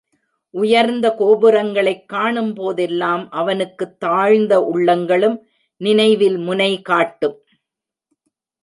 உயர்ந்த கோபுரங்களைக் காணும்போதெல்லாம் அவனுக்குத் தாழ்ந்த உள்ளங்களும் நினைவில் முனை காட்டும்.